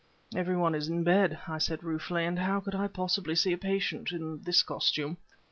"Every one is in bed," I said, ruefully; "and how can I possibly see a patient in this costume?"